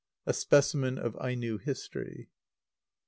_ (A specimen of Aino history.)